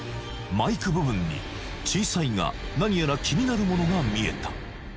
マイク部分に小さいが何やら気になるものが見えた